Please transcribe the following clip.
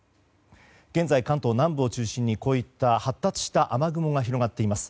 現在、関東南部を中心にこうした発達した雨雲が広がっています。